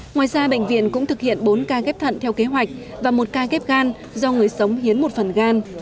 ngoài ra bệnh viện cũng thực hiện bốn ca ghép thận theo kế hoạch và một ca ghép gan do người sống hiến một phần gan